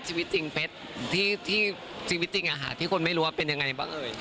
ชีวิตจริงเพจที่ชีวิตจริงอาหารที่คนไม่รู้ว่าเป็นไงบ้าง